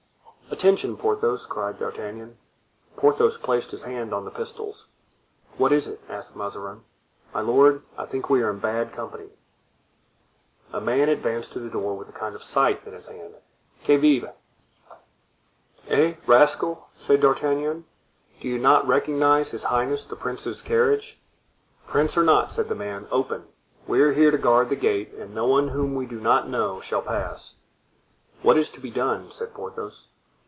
"Attention, Porthos!" cried D'Artagnan. Porthos placed his hand on the pistols. "What is it?" asked Mazarin. "My lord, I think we are in bad company." A man advanced to the door with a kind of scythe in his hand. "Qui vive?" he asked. "Eh, rascal!" said D'Artagnan, "do you not recognize his highness the prince's carriage?" "Prince or not," said the man, "open. We are here to guard the gate, and no one whom we do not know shall pass." "What is to be done?" said Porthos.